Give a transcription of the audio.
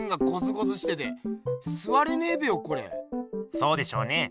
そうでしょうね。